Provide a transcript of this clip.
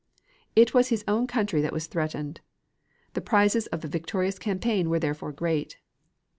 It was his own country that was threatened. The prizes of a victorious campaign were therefore great.